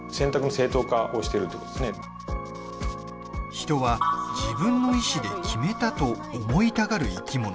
人は、自分の意志で決めたと思いたがる生き物。